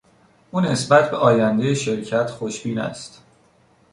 او نسبت به آیندهی شرکت خوشبین است.